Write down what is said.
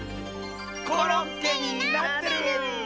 コロッケになってる！